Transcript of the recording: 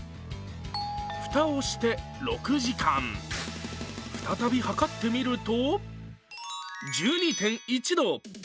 蓋をして６時間再びはかってみると１２．１度。